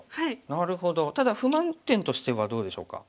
ただ不満点としてはどうでしょうか？